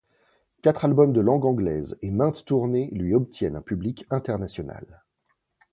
Quatre albums de langue anglaise et maintes tournées lui obtiennent un public international.